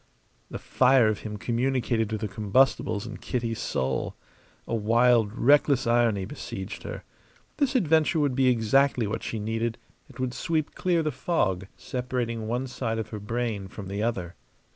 The fire of him communicated to the combustibles in Kitty's soul. A wild, reckless irony besieged her. This adventure would be exactly what she needed; it would sweep clear the fog separating one side of her brain from the other.